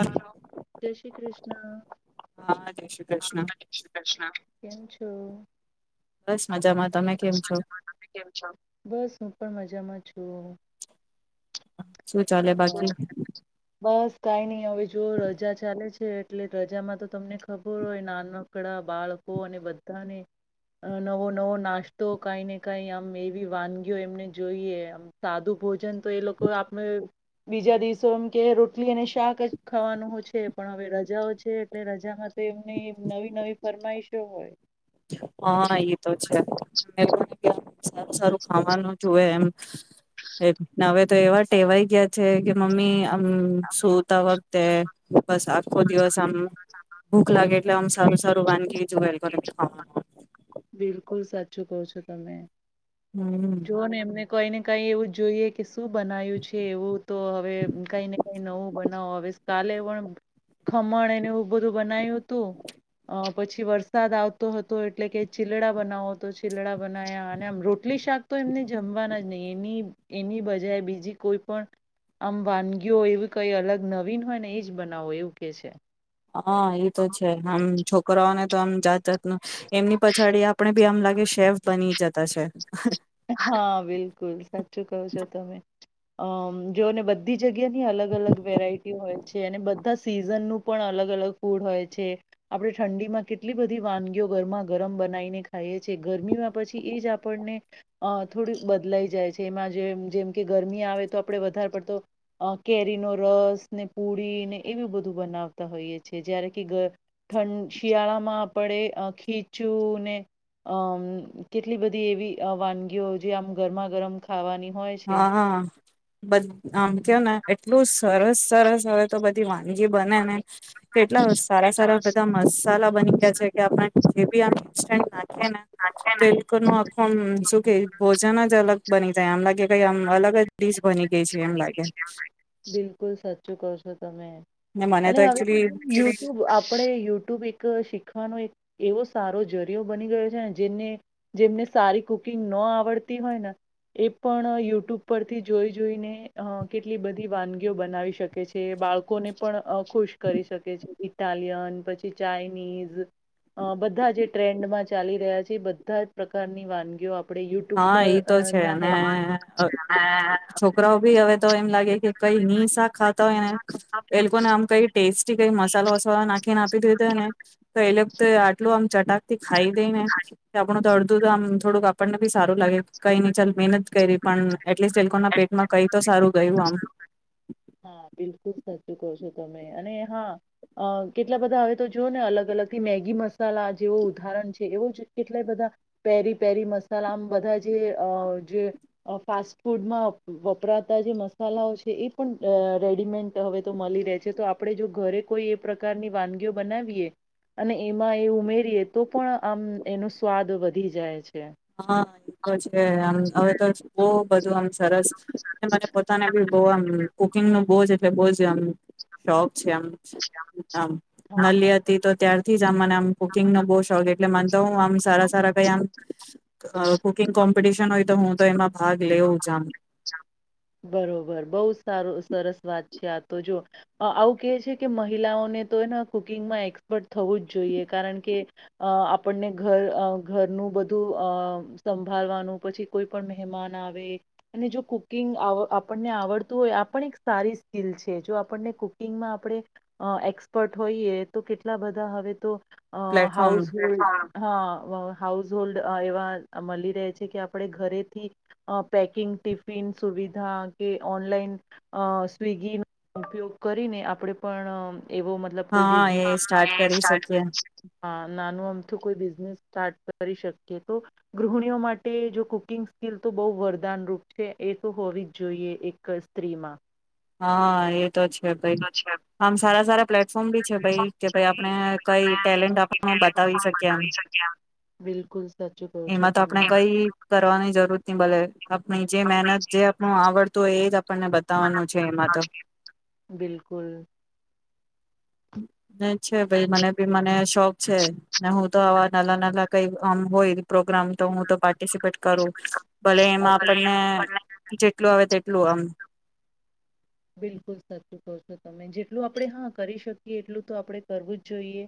Hello તેશ શ્રી કૃષ્ણ હા જય શ્રી કૃષ્ણ કેમ છો બસ મજામાં તમે કેમ છો કેમ છો? બસ હું પણ મજામાં છું શું ચાલે અ બાકી બસ કઈ નઈ હવે જો રજા ચાલે છે એટલે રજામાં તો તમને ખબર હોય નાનમકડા બાળકો અને બધાને નવો નવો નાસ્ તો કઈ ને કઈ આમ એવી વાનગીઓ એમને જોઈએ આમ સાદું ભોજન તો એ લોકો આપણે બીજા દિવસોમ કે રોટલી અને શાક જ ખાવાનું છે પણ હવે રજાઓ છે એટલે રજામાં તો એમની નવી નવી ફરમાઈશો હોય હા એ તો છે મેં પણ સારું સારું ખાવાનું જોએ એમ એક ન તો એવા ટેવાય ગયા છે કે મમ્મી હમ સોતાવા તે બસ આખો દિવસ આમ ભૂખ લાગે એટલે આમ સારું સારું વાનગી જોવાયેલ કરે ખાવાનું બિલકુલ કુલ સાચું કહ છો તમે હમ જોઓ ને એમને કઈ ને કઈ એવું જોઈએ કે શું બનાવ્યું છે એવું તો હવે કઈ ને કઈ નવું બનાવો હવે કાલે પણ ખમણ એને એવું બધું બનાવ્યું હતું પછી વરસાદ આવતો હતો એટલે કે ચીલડા બનાવો તો ચીલડા બના્યા અને આમ રોટલી શાક તો એમને જમવા નથી એની એની બજા બીજી કોઈ પણ આમ વાનગીઓ હો એવી કઈ અલગ નવીન હોય ને એજ બનાવો એવું કે છે હા એ તો છે આમ છોકરાઓને તો આમ જાત જાત ન એમની પછાડી આપે ભી આમ લાગે શેફ બની જતા છે હા બિલકુલ સાચું કવું છ તમે અ જોઓને બધી જગ્યાની અલગ અલગ વેરાયટી હોય છે અને બધા સિઝનનું પણ અલગ અલગ ફૂડ હોય છે આપણે ઠંડીમાં કેટલી બધી વાનગીઓ ગરમા ગરમ બનાવીને ખાઈએ છીએ ગરમીમાં પછી એ જ આપણને અ થોડી બદલાઈ જાય છે એમાં જેમ જેમ કે ગરમી આવે તો આપણે વધારે પડતો કેરીનો રસ ને પૂડી ને એવું બધું બનાવતા હોઈએ છે જયારે કે ઠં શિયાળામાં આપણે ખીચું ને અ કેટલી બધી એવી વાનગીઓ જે આમ ગરમા ગરમ ખાવાની હોય છે હા બધ આમ હમ થયો ને એટલું સરસ સરસ હવે તો બધી વા ી બને ને કેટલા સારા સારા બધા મસાલા બની ગયા છે કે આપી આ નાખેને તો એ લોકો ન આખુંમ શું કે ભોજન જ અલગ બની જાય આમ લાગે કઈ આમ અલગ દીસ બની ગઈ છે એમ લાગે બિલકુલ સાચું કરશો તમે ને મને અને તો હવે એકચુલી યુટ્યુબ આપણે યુટ્યુબ એક શીખવાનો એક એવો સારો જરિયો બની ગયો છે ને જેને જેમને સારી કુકિંગ ન આવડતી હોય ને એ પણ યુટ્યુબ પરથી જોઈ જોઈને અ કેટલી બધી વાનગીઓ બનાવી શકે છે બાળકોને પણ ખુશ કરી શકે છે ઇટાલિયન પછી ચાઇનીઝ અ બધા જે ટ્રેન્ડમાં ચાલી રહ્યા છે બધા જ પ્રકારની વાનગીઓ આપ આપડે યુટ્યુબ હા પર એ તો છે ના હે અને ી હવે તો એમ લાગે કે કઈ નિનીશા ખા યને એ લોકો ને આમ કઈ ટેસ્ટ કઈ મસાલો વસાો નાખીને આપી દીધો ને તો એટલે આટલું આમ ચટાકતી ખાઈ દઈને આપણ તોડ મ થોડું આપણને ી સારું લાગે કઈ ન ચાલ મહેનત કરી પણ એટલીસ્ટ એ લોકો ના પેટમાં કઈ તો સારું ગયું આમ ક છો તમે અને હા અ કેટલા બધા હવે તો જોઓ ને અલગ અલગ થી મેગી મસાલા જેવું ઉદાહરણ છે એવું જ કેટલાય બધા પેરી પેરી મસાલા આમ બધા જે અ જે ફાસ્ટ ફૂડમાં વપરાતા જે મસાલાઓ છે એ પણ રેડીમેન્ટ હવે તો મળી રહે છે તો આપણે જો ઘરે કોઈ એ પ્રકારની વાનગીઓ બનાવીએ અને એમાં એ ઉમેરીએ તો પણ આમ એનો સ્વાદ વધી જાય છે હા એ તો છે આમ હવે તો બહ [inaudible] સરસ મને પોતાને બી બ આ કુકિંગ નું બહ જ બહ જમ શોક મ હા હા નલી હતી તો ત્યાર મને આમ કુકિંગ નો બહુ શોખ એટલે મન તો હું આમ સારા સારા કઈ આમ કુકિંગ કોમ્પિટિશન હોય તો હું તો એમાં ભાગ લેઉ જ આમ બરોબર બહ સારું સરસ વાત છે આ તો જો આવું કે છે કે મહિલાઓને તો એને કુકિંગમાં એક્સપર્ટ થવું જ જોઈએ કારણ કે આપણને ઘર ઘરનું બધું અ સંભાળવાનું પછી કોઈ પણ મહેમાન આવે અને જો કુકિંગ આપણને આવડતું હોય આ પણ એક સારી સ્કિલ છે જો આપણને કુકિંગમાં આપણે એક્સપર્ટ હોઈએ તો કેટલા બધા હવે તો અ પ્લેટફોર્મ હાઉસ હોલ્ડ હા હાઉસ હોોલ્ડ એવા મળી રહે છે કે આપણે ઘરેથી પેકિંગ ટિફિન સુવિધા કે ઓનલાઈન સ્વિગીનો ઉપયોગ કરીને આપણે પણ એવો મતલબ કોઈ હા એ બિઝનેસ સ્ટાર્ટ કરી શકીએ હા નાનું આમથું કોઈ બિઝનેસ સ્ટાર્ટ કરી શકીએ તો ગૃહિણીઓ માટે જો કુકિંગ સ્કીિલ તો બહ વધ પ્રદાન રૂપ છે એક હોવી જ જોઈએ એક સ્ત્રીમાં હા એ તો છે ભાઈ આમ સારા સારા પ્લેટફોર્મ બી છે ભાઈ કે ભાઈ આપણે કઈ ટેલેન્ટ આપ બતાવી શકીએ એમ બિલકુલ સાચું કહો છો એમાં તો તમે આપણે એમ કઈ કરવાની જરૂર ત બલે આપણી જે મહેનત જે આપણું આવડત હોય એ જ આપણને બતાવવાનું છે એમાં તો બિલકુલ [inaudible] છે ભાઈ મને ભી મને શોખ છે ને હું તો આવાજ નાલા નાલા કઈ આ હોઈલ પ્રોગ્રામ તો હું તો પાર્ટિસિપેટ કરું ભલે આ એમાં તો ભલે એમ આપણને જેટલું આવે સ્લોલોઆમ બિલકુલ સાચું કહ છો તમે જેટલું આપણે હા કરી શકીએ એટલું તો આપણે કરવું જ જોઈએ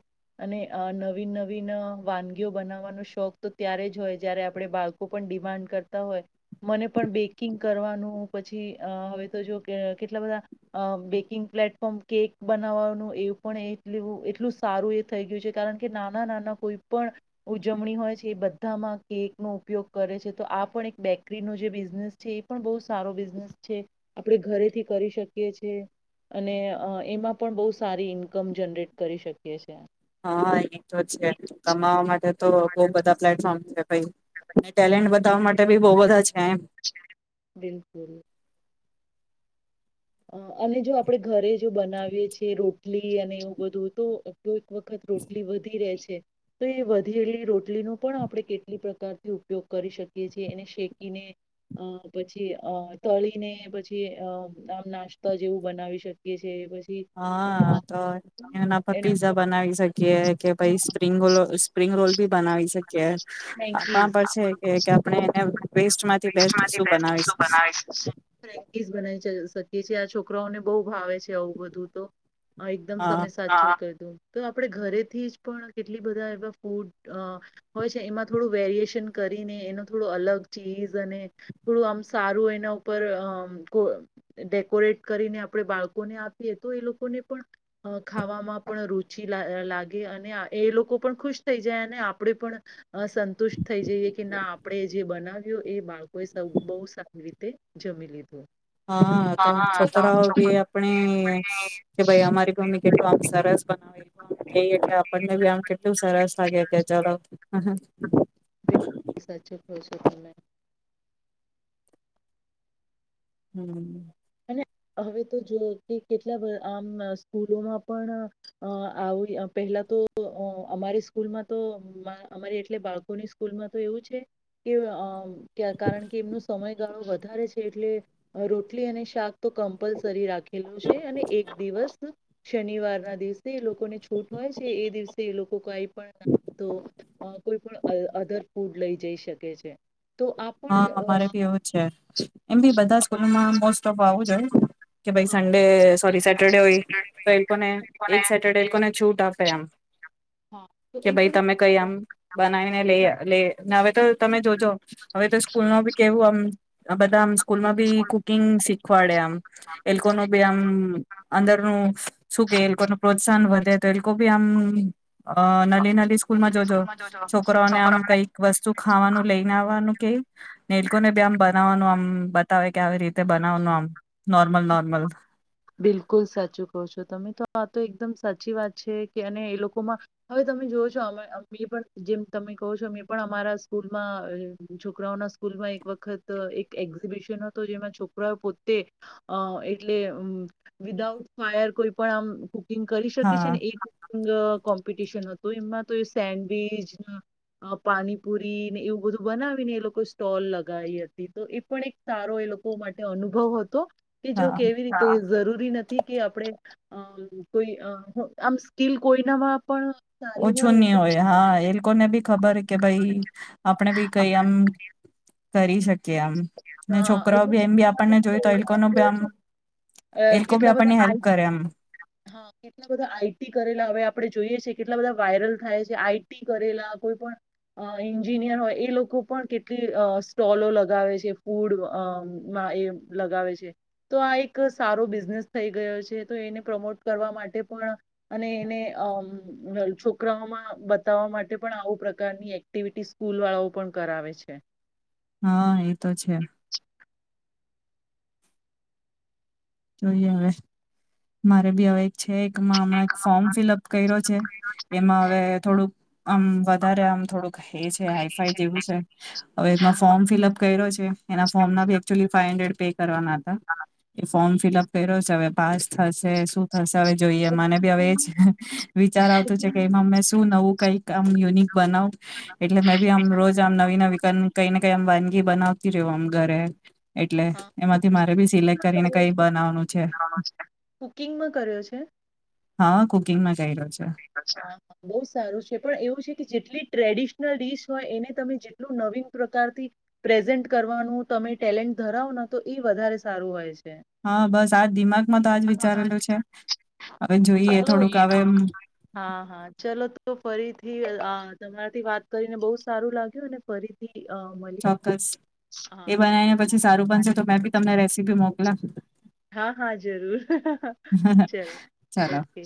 અને નવીન નવીન વાનગીઓ બનાવવાનો શોખ તો ત્યારે જ હોય જયારે આપણે બાળકો પણ ડિમાન્ડ કરતા હોય મને પણ બેકિંગ કરવાનું પછી હવે તો જો કેટલા બધા બેકિંગ પ્લેટફોર્મ કેક બનાવવાનું એવ પણ એ એટલું સારું એ થઈ ગયું છે કારણ કે નાના નાના કોઈ પણ ઉજવણી હોય છે એ બધામાં કેકનોો ઉપયોગ કરે છે તો આ પણ એક બેકરીનો જે બિઝનેસ છે એ પણ બહુ સારો બિઝનેસ છે આપણે ઘરેથી કરી શકીએ છે અને એમાં પણ બહુ સારી ઇન્કમ જનરેટ કરી શકીએ છે હા એ તો છે કમાવા માટે તો બહુ બધા પ્લેટફોર્મ કઈ ટેલેન્ટ બતાવા માટે બી બહુ બધા છે એમ બિલકુલ અને જો આપણે ઘરે જો બનાવીએ છેીએ રોટલી અને એવું બધું તો તો એક વખત રોટલી વધી રહે છે તો એ વધેલી રોટલીનો પણ આપણે કેટલી પ્રકારથી ઉપયોગ કરી શકીએ છીએ એને શેકીને પછી અ તળીને પછી અ નાસ્તા જેવું બનાવી શકીએ છીએ પછ હા તો એના પર પીઝા બનાવી શકીએ કે પાઈ સ્પ્રંગ ર સ્પ્રિંગ રોલ ભી બનાવી શકીએ મેગી આપણા પર છે કે આપણે એને વેસ્ટ માંથી બેસ્ટ શું બનાવી જે છે આ છોકરાઓને બહુ ભાવે છે આવું બધું તો એકદમ હા તમે સાચી તો આપડે ઘરેથી જ પણ કેટલી બધા એવા ફૂડ હોય છે એમાં થોડું વેરિએેશન કરીને એનો થોડો અલગ ચીઝ થોડું આમ સારું એના ઉપર ડેકોરેટ કરીને આપણે બાળકોને આપીએ તો એ લોકોને પણ ખાવામાં પણ રુચિ લાગે અને એ લોકો પણ ખુશ થઈ જાય અને આપણેે પણ સંતુષ્ટ થઈ જઈએ કે ના આપણેે જે બનાવ્યું એ બાળ કોઈ સ બહુ સ તે જમી લીધું હા તો છોકરાઓ બી આપણે કે ભાઈ અમારી મમ્મી કેટલું આપ સરસ બનાવે ટ આપણને બી આમ કેટલું સરસ લાગે ચ એ સા અચછું ખુશો તોમેં હમ અને હવે તો જો કે કેટલા આમ સ્કૂલોમાં પણ આવ પહેલા તો અમારી સ્કૂલમાં તો અમારે એટલે બાળકોની સ્કૂલમાં તો એવું છે કે કારણ કે એમનો સમયગાળો વધારે છે એટલે રોટલી અને શા તો કમ્પલસરી રાખેલું છે અને એક દિવસ શનિવાર ના દિવસે એ લોકોને છૂટ હોય છે એ દિવસે એ લોકો કઈ પણ તો કોઈ પણ અ અધર ફૂડ લઈ જઈ શકે છે તો આ પણ હા અ, અમારે ભી એવું જ છે એમ બી બધા સ્કૂલોમાં મોસ્ટ ઓફ આવું જોએ કે ભાઈ હા સન્ડે સોરી સેટરડે હોય તો એને એક સેટરડે એને છૂટ આપે એમ હા તો એ કે ભાઈ પણ એક તમે કઈ આમ બનાવીને લ લે ના તો તમે જોજો હવે તો સ્કૂલ ન બી કેવું બધ સ્કૂલમાં બી કુકિંગ શી ફડ્યા એ લોકો ન બી આમ અંદર ન શું કે એ લોકો ન પ્રોત્સાહન વ તો એલકો ભી હમ અ નલી નલી સ્કૂલ માં જોજો છોકરાને આમ કઈક વસ્તુ ખાવાનું લઈને આવવાનું કે નેલકોને બી આમ બનાવવાનું આમ બતાવે કે આવી રીતે બનાવવાનું આમ નોર્મલ નોર્મલ બિલકુલ સાચું કહો છો તમે તો આ તો એકદમ સાચી વાત છે કે અને એ લોકોમાં હવે તમે જોઓ છો અ પણ જેમ તમે કહો છો મેં પણ અમારા સ્કૂલમાં છોકરાઓના સ્કૂલમાં એક વખત એક એક્ઝિબિશન હતો જેમાં છોકરાઓ પોતે અ એટલે વિદાઉટ ફાયર કોઈ પણ આમ કરી શકે છે હા ને કોમ્પિટશન તો એમાં તો એ સેન્ડવીચ પાણીપુરીને એવું બધું બનાવીને એ લોકોએ સ્ટોલ લગાવી હતી તો એ પણ એક સારો એ લોકો માટે અનુભવ હતો કે જો કે હા કેવી રીતે જરૂરી નથી કે આપડે અ કોઈ આમ સ્કીલ કોઈના પણ સારી ઓછું નહી તો હોય હા એ લોકોને બી ખબર કે ભાઈ આપણે ભી કઈ આમ કરી શકીએ આમ ને હા છોકરાઓ એટલે બી એમ બી આપણને જોય તો એ લોકો ન બી આમ એ લોકો બી કેટલા બધા આપણને હેલ્પ કરે એમ આ કેટલા બધા આઈટી કરેલા હવે આપે જો કેટલા બધા વાયરલ થાય છે આઈ કરેલા કોઈ પણ એન્જિનિયર હોય એ લોકો પણ કેટલી સ્ટોલો લગાવે છે ફૂડમાં એ લગાવે છે તો આ એક સારો બિઝનેસ થઈ ગયો છે તો એને પ્રમોટ કરવા માટે પણ અને એને છોકરાઓમાં બતાવવા માટે પણ આવું પ્રકારની એક્ટિવિટી સ્કૂલવાળાઓ પણ કરાવે છે હા એતો છે જોઈએ હવે મારે ભી હવે એક છે હમણા ફોર્મ ફિલઅપ કર્યો છે એમાં હા હવે થોડુંક આમ વધારે આમ થોડક હે છે હાઈફાઈ જેવું છે હવેમાં હા ફોર્મ ફિલઅપ કર્યો છે એના ફોર્મીચ ફાઈ હડરેટ કરવાના હતા એ હા ફોર્મ ફિલઅપ કર્યો છે હવે પાંચ થ શું થશે હવે જોઈએ મને બી હવે એ જ વિચાર આવતું છે કે એમાં અમે શું નવું કઈક યુનિક બનાવ એટલે મે બી આમ રોજ આમ નવી નવી કઈક કેમ વાનગી બનાવતી રવું આમ ઘરે એટલે હા હા એમાંથી મારે ભી સિલેક્ટ કુકિંગમાં કરીને કર્યો કઈ છે. બનાવાનું છે કુકિંગમાં કર્યો છે હા કુકિંગમાં કર્યો છે [unintelligible] બો સારું છે પણ એવું છે કે જે એટલે ટ્રેડિશનલ ડિશ હોય એને તમે જેટલું નવીન પ્રકારથી પ્રેઝન્ટ કરવાનું તમે ટેલેન્ટ ધરાવના તો ઈ વધારે સારું હોય છે હા બસ આજ દિમાગમાં તો આજ વિચારેલું છે હવે જોઈએ થોડુંક આવે એમ હા ચલો તો ફરીથી અ, હા તમારાથી વાત કરીને બો સારું લાગ્યું ને ફરીથી અ, મળીએ ચોક્કસ હા એ બનાવીને પછી પછી સારું બનશે તો મેભી તમને રેસીપી મોકલા હા હા જરૂર ચલો ચાલો ઓકે